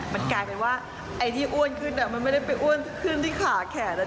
มันกลายเป็นว่าไอ้ที่อ้วนขึ้นมันไม่ได้ไปอ้วนขึ้นที่ขาแขน